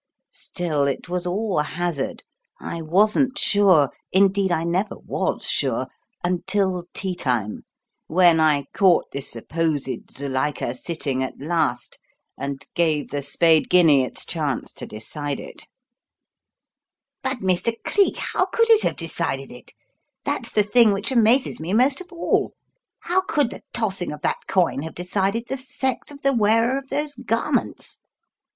Still, it was all hazard. I wasn't sure indeed, I never was sure until tea time, when I caught this supposed 'Zuilika' sitting at last, and gave the spade guinea its chance to decide it." "But, Mr. Cleek, how could it have decided it? That's the thing which amazes me most of all. How could the tossing of that coin have decided the sex of the wearer of those garments?"